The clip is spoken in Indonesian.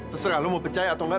terserah lo mau pecah atau enggak